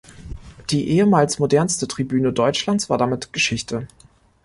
Die ehemals modernste Tribüne Deutschlands war damit Geschichte.